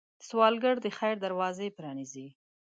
سوالګر د خیر دروازې پرانيزي